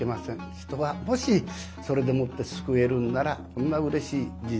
人がもしそれでもって救えるんならこんなうれしい人生はありません。